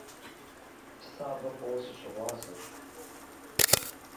Сэ абы фӀыуэ сыщыгъуазэщ!